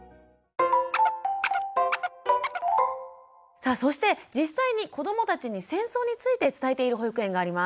さあそして実際に子どもたちに戦争について伝えている保育園があります。